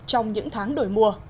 trong những tháng đổi mùa